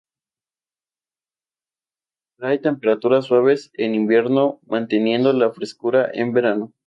Trae temperaturas suaves en invierno, manteniendo la frescura en verano.